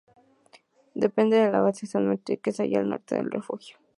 Depende de la base San Martín que se halla al norte del refugio.